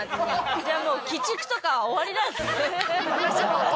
じゃあもう「鬼畜」とか終わりです。